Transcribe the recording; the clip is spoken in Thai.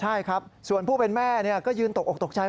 ใช่ครับส่วนผู้เป็นแม่ก็ยืนตกออกตกใจ